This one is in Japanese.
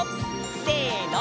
せの！